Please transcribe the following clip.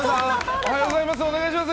おはようございます。